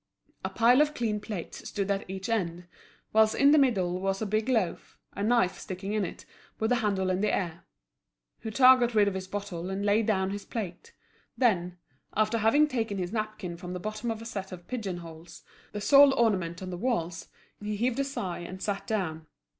A pile of clean plates stood at each end; whilst in the middle was a big loaf, a knife sticking in it, with the handle in the air. Hutin got rid of his bottle and laid down his plate; then, after having taken his napkin from the bottom of a set of pigeonholes, the sole ornament on the walls, he heaved a sigh and sat down.